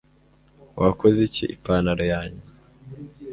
wakoze iki ipantaro yanjye